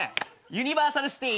ユニバーサルシティ。